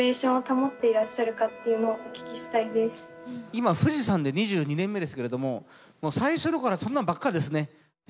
今富士山で２２年目ですけれどももう最初の頃はそんなんばっかですね。